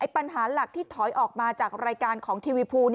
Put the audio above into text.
ปัญหาหลักที่ถอยออกมาจากรายการของทีวีภู